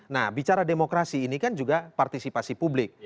nah bicara demokrasi ini kan juga partisipasi publik